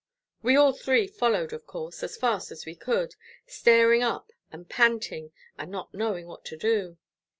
We all three followed of course, as fast as we could, staring up, and panting, and not knowing what to do.